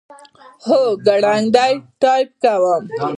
هو، ګړندی ټایپ کوم